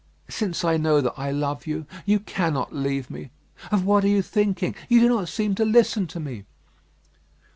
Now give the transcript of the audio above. Since I know that I love you, you cannot leave me. Of what are you thinking? You do not seem to listen to me."